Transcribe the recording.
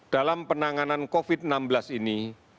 dalam penanganan covid sembilan belas ini